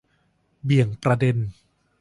เบี่ยงประเด็น